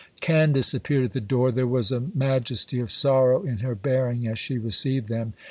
Candace appeared at the door. There was a majesty of sorrow in her bearing as she received them.